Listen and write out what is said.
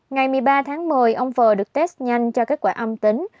ngày một mươi ba tháng một mươi ông phờ được test nhanh cho kết quả âm tính